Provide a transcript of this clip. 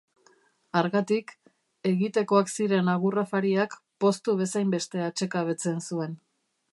Hargatik, egitekoak ziren agur afariak poztu bezainbeste atsekabetzen zuen.